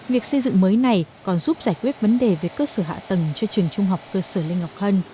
việc xây dựng mới này còn giúp giải quyết vấn đề về cơ sở hạ tầng cho trường trung học cơ sở linh ngọc hân